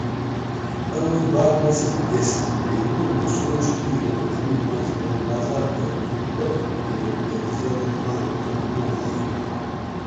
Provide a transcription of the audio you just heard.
ا دوس باۤرہ مسین گیس تے ہِکور مئی سوچ کیر اوں امی مس مئی بازار پھر نو تو تے مکہ زیات پاۤنس میلا نہ ہوآں